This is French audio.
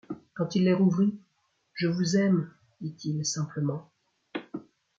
Quand il les rouvrit :« Je vous aime ! dit-il simplement.